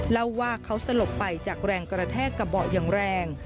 เล่าว่าเขาสลบไปจากแรงกระแทกกระเบาะอย่างแรง